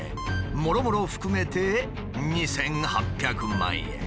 もろもろ含めて２，８００万円。